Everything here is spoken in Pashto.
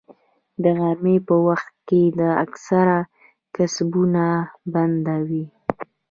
د غرمې په وخت کې اکثره کسبونه بنده وي